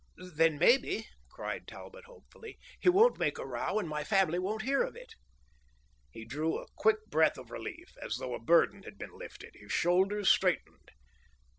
"Then maybe," cried Talbot hopefully, "he won't make a row, and my family won't hear of it!" He drew a quick breath of relief. As though a burden had been lifted, his shoulders straightened.